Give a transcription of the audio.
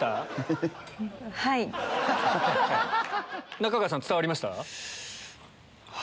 中川さん伝わりました？